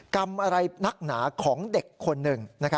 กรรมอะไรนักหนาของเด็กคนหนึ่ง